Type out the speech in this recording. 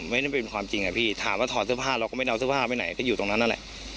ไม่ได้เป็นความจริงอะพี่ถามว่าถอดเสื้อผ้าเราก็ไม่เอาเสื้อผ้าไปไหนก็อยู่ตรงนั้นนั่นแหละ